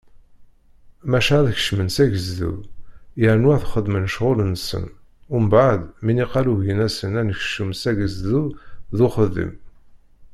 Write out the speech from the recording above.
Maca ad kecmen s agezdu yernu ad xedmen ccɣel-nsen, mbeɛd mi niqal ugin-asen anekcum s agezdu d uxeddim.